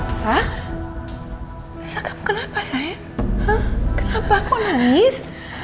esah esah kamu kenapa sayang kenapa kok nangis